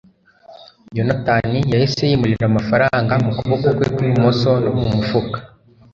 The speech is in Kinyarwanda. yonatani yahise yimurira amafaranga mu kuboko kwe kw'ibumoso no mu mufuka